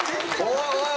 おいおい